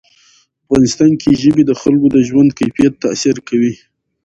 افغانستان کې ژبې د خلکو د ژوند کیفیت تاثیر کوي.